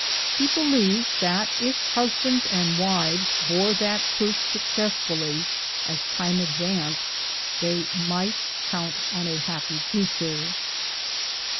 He believed that if husbands and wives bore that proof successfully as time advanced, they might count on a happy future.